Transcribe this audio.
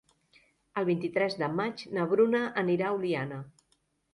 El vint-i-tres de maig na Bruna anirà a Oliana.